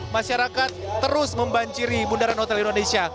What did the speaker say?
masyarakat terus membanjiri bundaran hotel indonesia